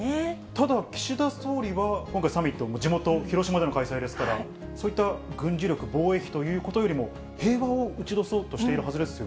ただ、岸田総理は今回、サミット、地元広島での開催ですから、そういった軍事力、防衛費ということよりも、平和を打ち出そうとしているはずですよ